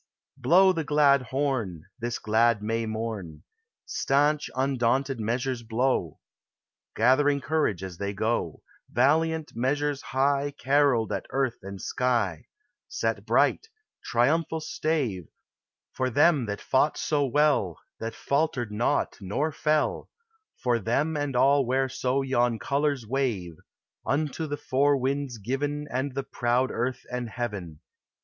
" Blow the glad horn, This glad May morn ; stanch, undaunted measures blow, Gathering courage as they go, — Valiant measures high ill POEMS OF SENTIMENT. Carolled at earth and sky; ; tlit bright, triumphal stave For them that fought so well, That faltered not nor fell; For them and all whereso yon colors wave^, Unto tin tour winds given And the proud earth and heaven.